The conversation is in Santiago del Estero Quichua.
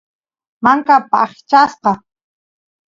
manka paqchasqa